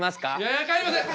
いや帰りません！